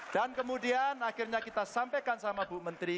dan kemudian akhirnya kita sampaikan sama bu menteri